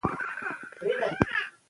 پښتو به د مصنوعي ځیرکتیا په مټ وده وکړي.